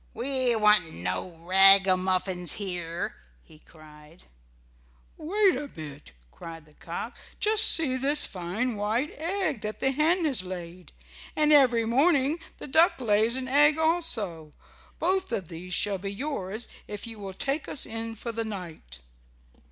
"We want no ragamuffins here," he cried. "Wait a bit," cried the cock. "Just see this fine white egg that the hen has laid. And every morning the duck lays an egg also. Both of these shall be yours if you will take us in for the night."